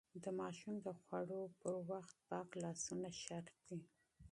د ماشوم د خوړو مهال پاک لاسونه شرط دي.